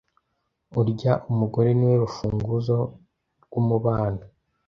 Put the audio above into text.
urya umugore ni we rufunguzo rw’umubano,